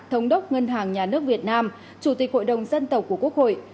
thống đốc ngân hàng nhà nước việt nam chủ tịch hội đồng dân tộc của quốc hội